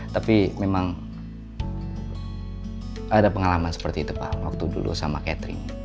tapi memang ada pengalaman seperti itu pak waktu dulu sama catering